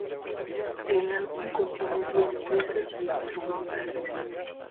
El álbum contiene diez piezas instrumentales.